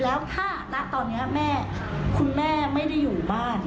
แล้วถ้าณตอนนี้แม่คุณแม่ไม่ได้อยู่บ้าน